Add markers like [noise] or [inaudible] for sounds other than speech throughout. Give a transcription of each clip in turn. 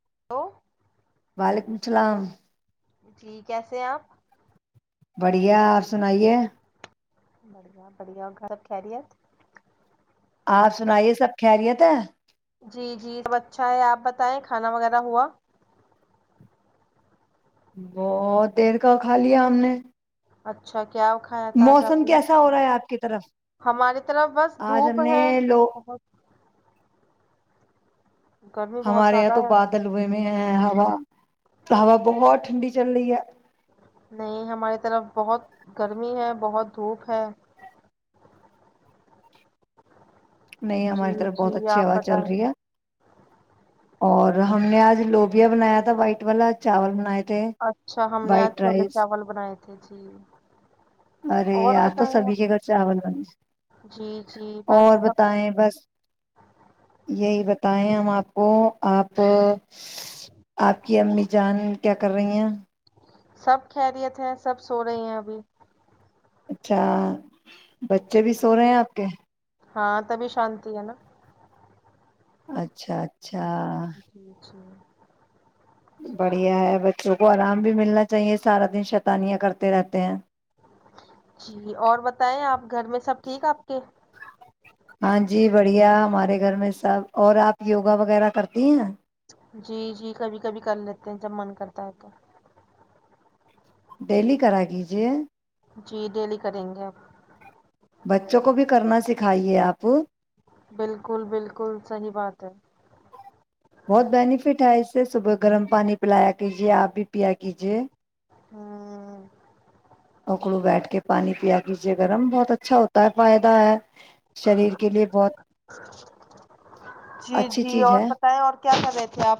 [inaudible] وعلیکم لسلام جی کیسے ہیں آپ بڑھیا آپ سنائیے بڑھیا بڑھیا گھر خیریت آپ سنائیے سب خیریت ہے جی جی تو اچھا ہے آپ بتائیں کھانا وغیرہ ہوا بہت دیر کا کھا لیا ہم نے اچھا کیا کھایا تھا آج آپ موسم نے کیسا ہو رہا ہے آپ کی طرف ہماری طرف بس آج ہم دھوپ نے ہے لو بہت گرمی بہت ہمارے یہاں زیادہ تو ہے بادل ہوئے میں ہیں ہیں ہوا ہوا بہت ٹھنڈی چل رہی ہے نہیں ہماری طرف بہت گرمی ہے بہت دھوپ ہے نہیں ہماری جی طرف بہت جی اچھی آپ ہوا چل بتائیں رہی ہے اور ہم نے آج لوبیا بنایا تھا وائٹ والا چاول بناائے اچھا ہم نے آج چھولے چاول بنائے تھے جی ارے اور یار تو بتائیں سبھی کے آپ گھر چاول بنے جی جی بس اور سب بتائیں بس یہی بت بتائیں ہم آپ کو آپ آپ کی امی جان کیا کر رہی ہیں سب خریت ہے سب سو رہی ہیں ابھی اچھا بچے بھی سو رہے ہیں آپ کے ہاں تبھی شانتی ہے نا اچھا اچھا جی جی بڑھیا ہے بچوں کو آرام بھی ملنا چاہیے سارا دن شتانیاں کرتے رہتے ہیں جی اور بتائیں آپ گھر میں سب ٹھیک آپ کے بڑیا ہمارے گھر میں سب اور آپ یوگا وغیرہ کرتی ہیں جی جی کبھی کبھی کر لیتے ہیں جب من کرتا ہے تو ڈیلی کرا کیجیے جی ڈیلی کریں گے آپ بچوں کو بھی کرنا سکھائیے آپ بالکل بالکل صحیح بات ہے بہت بینیفٹ ہے اس سے صبح گرم پانی پلایا کیجے آپ بھی پیا کیجے ہاں اکڑو بیٹھ کے پانی پیا کیجے گرم بہت اچھا ہوتا ہے فائدہ ہے شریر کے لیے بہت جی اچھی جی چیز اور ہے بتائیں اور کیا کر رہے تھے آپ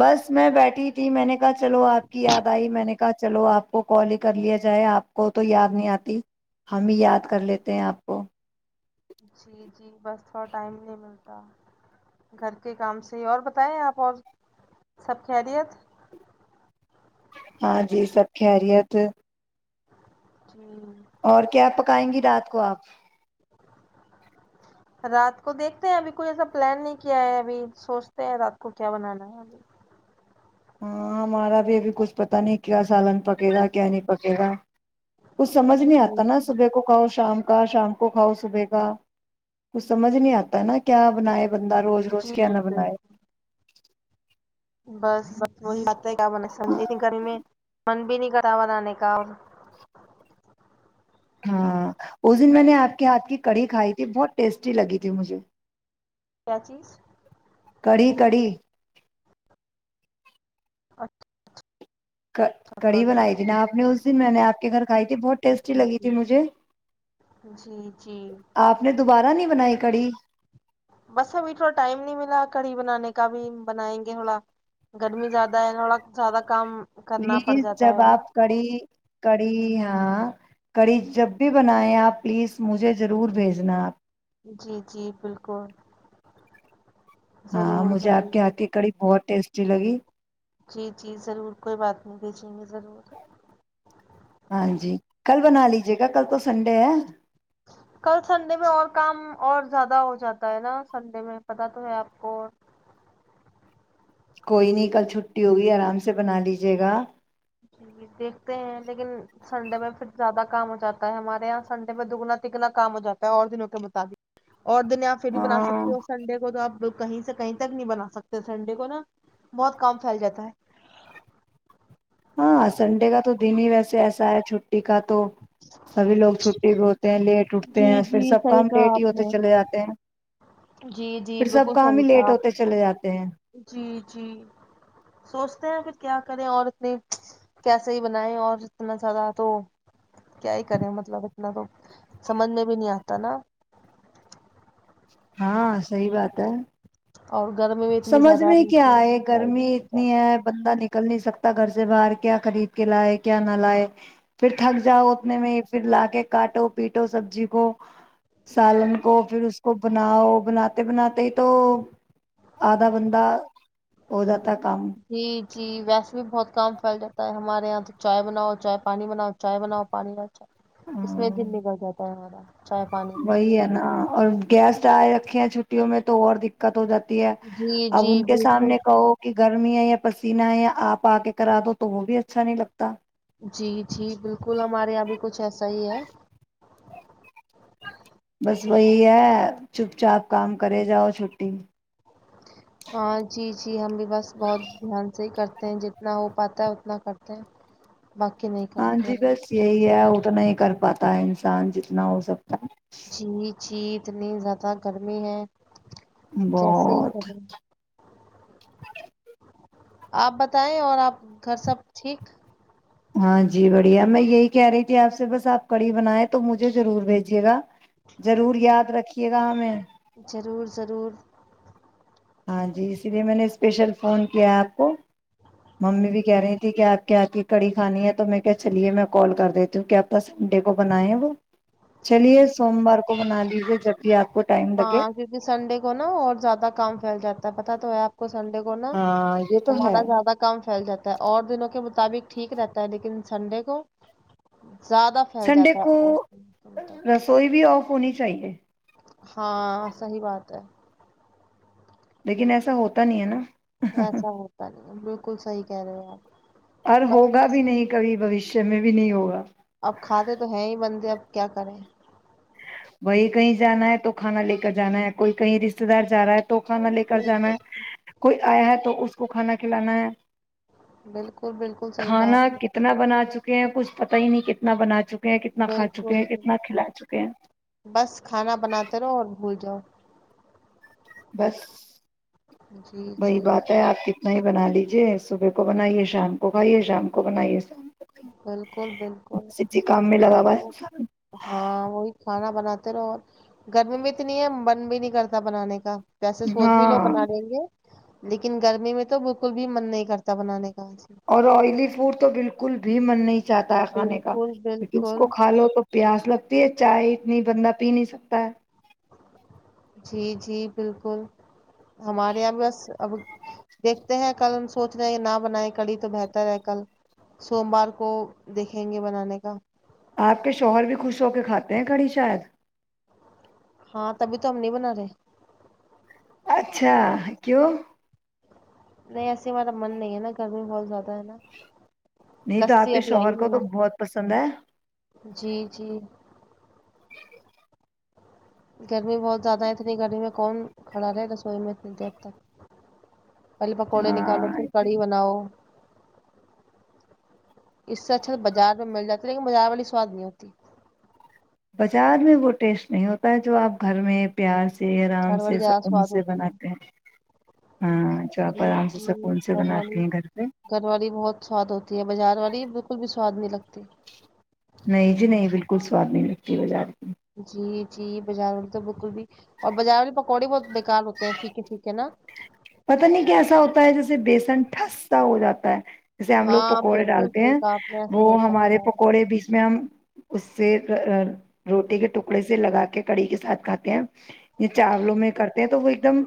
بس میں بیٹھی تھی میں نے [inaudible] چلو آپ کی یاد آئی میں نے چلو آپ کو کال ہی کر لیا جائے آپ کو تو یاد نہیں آتی ہمیں یاد کر لیتے ہیں آپ کو جی جی بس تھوڑا ٹائم نہیں ملتا گھر کے کام سے ہی اور بتائیں آپ اور سب خیریت ہاں جی سب خیریت جی اور کیا پ آئیں گی رات کو آپ رات کو دیکھتے ہیں ابھی کوئی ایسا پلان نہیں کیا ہے ابھی سوچتے ہیں رات کو کیا بنانا ہے ابھی ہاں ہمارا بھی ابھی کچھ پتا نہیں کیا سالن پکے گا کیا نہیں پکے گا کچھ سمجھ نہیں جی آتا نا صبح کو کہو شام کا شام کو کھاؤ صبح کا کچھ سمجھ نہیں آتا ہے نا کیا بناائے بند روز روز جی کیا نہ بالکل بناائے بس بس وہ کیا بنا س گرمی میں من بھی نہیں گڑا بنانے کا اور ہاں اس دن میں نے آپ کے ہاتھ کی کڑھی کھائی تھی بہت ٹیسٹی لگی تھی مجھے کیا چیز کڑی کڑی اچھاا کڑی بنائی تھی نا آپ نے اس دن میں نے آپ کے گھر کھائی تھی بہت ٹیسٹی جی لگی تھی جی مجھے جی جی آپ نے دوبارہ نہیں بنائی کڑی بس ابھی تھوڑا ٹائم نہیں ملا کڑی بنانے کا بھی بنائیں گے تھوڑا گرمی زیادہ ہے تھوڑا زیادہ کام کرنا پڑ پلیز جاتا جب ہے نا آپ کری کری ہاں کڑی جب بھی بنائیں آپ پلیز مجھے ضرور بھیجنا آپ جی جی بالکل ہاں ضرور مجھے آپ ضرور کے ہات کی کڑی بہت ٹیسٹی لگی جی جی ضرور کوئی بات نہیں بھیجیں گے ضرور ہاں جی کل بنا لیجے گا کل تو سنڈے ہے کل سنڈے میں اور کام اور زیادہ ہو جاتا ہے نا سنڈے میں پتاہ تو ہے آپ کو کوئی نہیں کل چھٹی ہوگی آرام سے بنا لیجے گا جی جی دیکھتے ہیں لیکن سنڈے میں پھر زیادہ کام ہو جاتا ہے ہمارے یہاں سنڈے میں دگنا تگنا کام ہو جاتا ہے اور دنوں کے مطابق اور دننے آپ پھر بھی بنا ہاں سکتے ہو سنڈے کو تو آپ کہیں سے کہیں تک نہیں بنا سکتے سنڈے کو نا بہت کام پھیل جاتا ہے ہاں سنڈے کا تو دن ہی ویسے ایسا ہے چھٹی کا تو سبھی لوگ چھٹی بھی ہوتے ہیں لیٹ اٹھتے ہیں جی پھر جی سب صحیح کام کہا لیٹ ہی آپ ہوتے نے چلے جاتے ہیں جی جی پھر سب بالکل کام ہی صحیح تھا لیٹ آپ ہوتے چلے جاتے ہیں جی جی سوچتے ہیں کہ کیا کریں اور اتنی کیسے ہی بنیں اور اتنا زیادہ تو کیا ہی کریں مطلب اتنا تو سمجھ میں بھی نہیں آتا نا ہاں صی بات ہے اور گرمی بھی اتنی سمجھ زیادہ میں کیا ہے ہی گرمی بنایا جائے اتنی ہے بندہ نک کل نہیں سکتا گھر سے باہر کیا خرید کے لائے کیا نہ لائے پھر تھک جاؤ اتنے میں ہی پھر لا کے کاٹو پیٹو سبزی کو سالن کو پھر اس کو بناؤ بناتے بناتے ہی تو آدھا بندہ ہو جاتا ہے کام جی جی ویسے بھی بہت کام پھیل جا ہے ہمارے یہاں تو چائے بناؤ چائے پانی بناؤ چائے بناؤ پانی اس میں دن نکل جاتا ہے ہمارا چائے پانی میں وہئییا ن اور گیس آئے رکھے ہیں چھٹیوںں میں تو اور دقت ہو جاتی ہے جی اب ان جی کے بالکل سامنے کہو کہ گرمی ہے یا پسینہ ہے یا آپ آ کے کرا دو تو وہ بھی اچھا نہیں لگتا جی جی بالکل ہمارے یہاں بھی کچھ ایسا ہی ہے بس وہی ہے چوپ چاپ کام کرے جاؤ چھٹی ہاں جی جی ہم بھی بس بہت دھیان سے ہی کرتے ہیں جتنا ہو پاتا ہے اتنا کرتے ہیں باقی نہیں ہاں کرتے جی ہیں بس یہی ہے تو نہیں کر پاتا ہے انسان جتنا ہو سکتا ہے جی جی اتنی زیادہ گرمی ہیں بہت آپ بتائیں اور آپ گھر سب ٹھیک ہاں جی بڑھیا میں یہی کہہ رہی تھی آپ سے بس آپ کڑی بنیں تو مجھے ضرور بھیجیے گا ضرور یاد رکھیے گا ہمیں ضرور ضرور ہاں جی اسی لیے میں نے اسپیشل فون کیا ہے آپ کو ممی بھی کہہ رہی تھی کہ آپ کے آپ کی کڑی کھانی ہے تو میں کیا چلیے میں کال کر دیتی ہوں کہ آپ ت سنڈے کو بنائےیں وہ چلیے سوموار کو بنا لیجے جب بھی آپ کو ٹائم لگے ہاں کیونکہ پتتا تو ہے آپ سنڈے کو نا ہاں یہ تو ہے ہمارا زیادہ کام پھیل جا ہے اور دنوں کے م مطابق ٹھیک رہتا ہے لیکن سنڈے کو زیادہ پھیل جاتا ہے تک سوئی بھی آف ہونی چاہیے ہاں صحی بات ہے لیکن ایسا ہوتا نہیں ہے نا ایسا ہوتا بالکل صحی کہہ رہے آپ اور ہوگا بس بھی نہیں کبھی بوشیہ چمیں بھی نہیں ہوگا اب کھاتے تو ہیں ہی بندے اب کیا کریں وہی کہیں جانا ہے تو کھانا لے کر جانا ہے کوئی کہیں رشتے دار جا رہا ہے تو تو خانا لے کر جانا بالکل ہے کوئی آیا ہے تو اس آ کو کھانا کھلانا ہے بالکل بالکل صحیح کہا کھانا آپ نے کتنا بنا ہیں کچھ پتا ہی نہیں کتنا بنا چک ک ہیں کتنا کا چکے بالکل ہیں بالکل۔ کتنا کھلا چکے ہیں بس کھانا بناتے رہو اور بھول جاؤ بس جی وہی جی بات ہے آپ کی نہیں بنا لیجے صبح کو بنائیے شام کو کھائیے شام کو بنائیے کو کھائیے بالکل بالکل بس اسی کام میں ہم لگا ہوا ہے انسان۔ ہاں وہی کھانا بناتے رہو اور گرمی بھی اتنی ہے من بھی نہیں کرتا بنانے کا جیسے سوج بھی لو ہاں بنا دیں گے لیکن گرمی میں تو بالکل بھی من نہیں کرتا بنانے کا اور آئلی فوڈ تو بالکل [unintelligible] بھی مننی [unintelligible] چاہتا ہے کھانے کا بالکل کیکہ اس کو بالکل کھا لو تو پیاس لگتی ہے چائے نہیں بندہ پی نہیں سکتا ہے [unintelligible] جی جی بالکل ہمارے یہاں بھی بس اب دیکھتے ہیں کل سوچ رہے ہیں کہ نہ بنائے کڑی تو بہتر ہے کل سوموار کو دیکھیں گے بنانے کا آپ کے شوہر بھی خوش ہو کے کھاتے ہیں کھڑی شاید ہاں تبھی تو ہم نہیں بنا رہے [unintelligible] پکو نہیں ایسے ہمارا من نہیں ہے نا گرمی بہت زیادہ ہے نا نہیں تو آپ لسی کے ابھی شوہور آئی کو تو نہیں ہے بہت پسند ہے جی جی گرمی بہت زیادہ ہے اتنی گرمی میں کون کھڑا رہے رسوئی میں اتنی دیر تک پہلے پکوڑے نکالو پھر ہاں کڑھی بناؤ اس سے اچھا تو بازار میں مل جاتا لیکن بازار والی سواد نہیں ہوتی بازار میں وہ ٹیسٹ نہیں ہوتا ہے جو آپ گھر میں پیاز گھر والی زیادہ سواد ہوتی ہے ہاں جو آپ جی آرام سے جی سکون سے گھر بناتے والی ہیں گھر پہ گھر والی بہت سواد ہوتی ہے بازار والی بالکل بھی سواد نہیں لگتا نہیں جی نہیں بالکل الل سواد نہیں لگتی بازار میں [unintelligible] جی جی بازار والی تو بالکل بھی اور بازار والی پکوڑے بہت بیکار ہوتے ہیں پھیکے پھے نا پتا نہیں کہ ایسا ہوتا ہے جیسے بیسن ٹھسا ہو جاتا ہے جیسے ہم لوگ ہاں پکوڑے بالکل ڈالتے صحیح ہیں کہا آپ نے ایسا وہ ہی ہوتا ہے ہمارے بازار والا۔ پکوڑے بیچ میں ہم اس سے روٹی کے ٹکڑے سے لگا کے کڑی کےاتھ کھاتے ہیں یہ چاولوں میں کرتے ہیں تو وہ ایک دم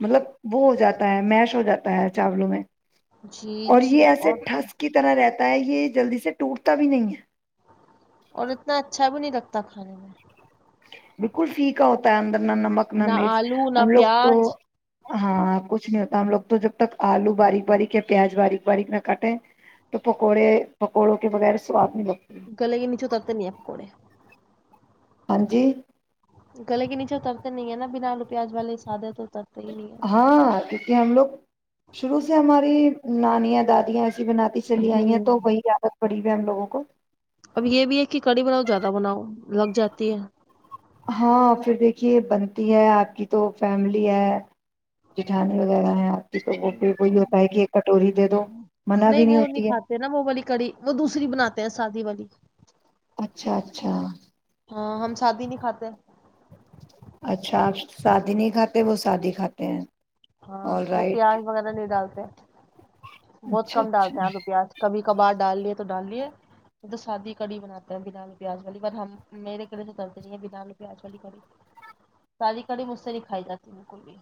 مطلب وہ ہو جاتا ہے میش ہو جاتا ہے چاولوں میں جی اور جی یہ ایسے اور ٹھس کی طرح رہتا تا ہے یہ جلدی سے ٹوٹتا بھی نہیں ہے اور اتنا اچھا بھی نہیں رکھتا کتا کھانے میں [unintelligible] بالکل فییک کا ہوتا ہے اندر [unintelligible] نہ نمک نہ مرچ آلو نہ ہم لوگ تو پیاز [unintelligible] ہاں کچھ نہیں ہوتا ہم لوگ تو جب تک آلو باریک باریک یا پیاز باریک باریک نہ کاٹے تو پکوڑے پکوڑوں کے بغیر سواد نہیں لگتی ا گ لگے نچوں تطت نیاپ کر [unintelligible] ہاں جی گل کے نیچا ترتےن نگ نا بھیاال ہاں کیونکہ ہم لوگ شرو سے ہماری نانیا دادیا بناتی چلی آئی ہیں ہوں تو کوی عادت پڑی [inaudible] ہم لووں کو اب یہ بھی ہے کہ کڑی بناؤ زیادہ بناؤ لگ جاتی ہے ہاں پھر دیکھیے بنتی ہے آپ کی تو فیملی ہے جٹھانی وغیرہ ہے آپ کی تو وہ پھر وہی ہوتا ہے کہ ایک کٹوری دے دو منع نہیں بھی وہ نہیں ہوتی ہے کھاتے نا وہ والی کڑی وہ دوسری بناتے ہیں سادی والی اچھا اچھا ہاں ہم شادی نہیں کھاتے اچھا آپ سادی نہیں کھاتے وہ شادی کھاتے ہیں ہاں آل وہ رائٹ پیاز وغیرہ نہیں ڈالتا ہے بہت اچھا کم اچھا ڈالتے ہیں رو پیاز کبھی کبار ڈال لیے تو ڈال لیے تو سادی کڑی بناتے ہیں بنال پیاز والی پر ہم میرے کلے تو ڈلتے نہیں ہیں بنال پیاز والی کڑی سادی کڑی مجھ سے نہیں کھائی جاتی بالکل بھی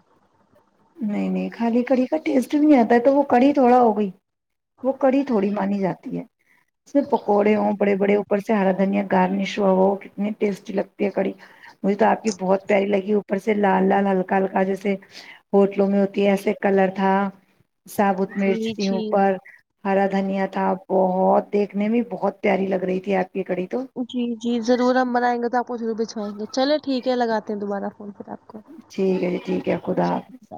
نہیں نہیں خالی کڑی کا ٹیسٹ نہیں آتا ہے تو وہ کڑی تھوڑا ہو گئی وہ کڑی تھوڑی مانی جاتی ہے اسے پکوڑے ہو بڑے بڑے اوپر چارا دھنیا گارنش ہو وہ کتنی ٹیسٹی لگتی ہے کڑی مجھے تو آپ کی بہت پیاری لگی اوپر سے لال لال ہلکا ہلکا جیسے ہوٹلوں میں ہوتی ہے ایسے کلر تھا ثابوت مرچ جی تھی جی اوپر ہرا دھنیا تھا بہت دیکھنے میں بہت پیاری لگ رہی تھی آ جی جی ضرور ہم منائیں گے تو آپ کو ضرور بچ چلے ٹھیک ہے لگاتے ہے دوبارہ فون پھر آپ کو ٹھیک ہے جی ٹھیک ہے خدا ٹھیک حافظ ہے،